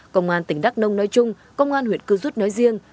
công an tỉnh đắk nông nói chung công an huyện cư rút nói riêng